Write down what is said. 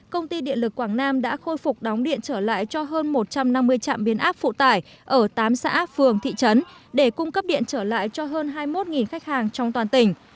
công ty điện lực quảng nam đã khôi phục đóng điện trở lại cho hơn một trăm năm mươi trạm biến áp phụ tải ở tám xã phường thị trấn để cung cấp điện trở lại cho hơn hai mươi một khách hàng trong toàn tỉnh